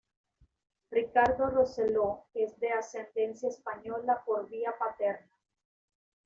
Ricardo Rosselló es de ascendencia española por vía paterna.